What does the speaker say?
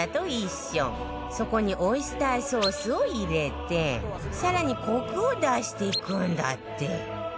そこにオイスターソースを入れて更にコクを出していくんだって